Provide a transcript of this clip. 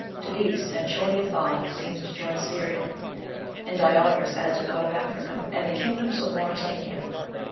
To these Sanchoniathon seems to join Syria; and Diodorus adds a part of Africa, and the kingdoms of Mauritania."